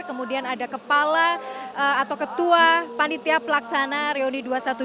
kemudian ada kepala atau ketua panitia pelaksana reuni dua ratus dua belas